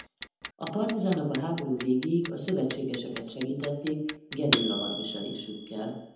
A partizánok a háború végéig a szövetségeseket segítették gerilla-hadviselésükkel.